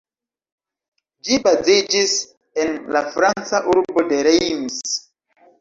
Ĝi baziĝis en la Franca urbo de Reims.